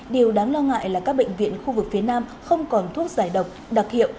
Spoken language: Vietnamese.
điều đáng lo ngại là các bệnh viện khu vực phía nam không còn thuốc giải độc đặc hiệu